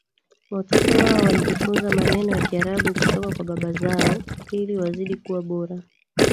Watoto wao walijifunza maneno ya Kiarabu kutoka kwa baba zao ili wazidi kuwa Bora